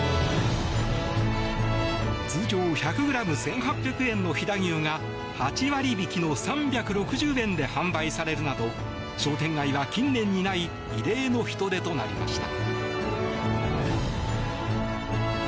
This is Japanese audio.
通常１００ｇ１８００円の飛騨牛が８割引きの３６０円で販売されるなど商店街は近年にない異例の人出となりました。